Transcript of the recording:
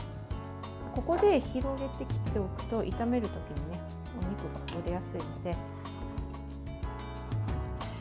ここで、広げて切っておくと炒める時にお肉がほぐれやすいので。